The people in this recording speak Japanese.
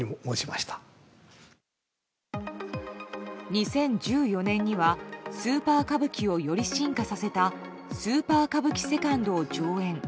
２０１４年にはスーパー歌舞伎をより進化させた「スーパー歌舞伎２」を上演。